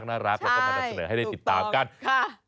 ก็ก็มาดับเสนอให้ได้ติดตามกันใช่ถูกต้องค่ะ